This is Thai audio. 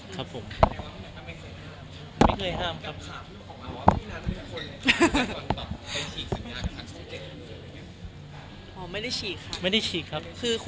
เรียกงานไปเรียบร้อยแล้ว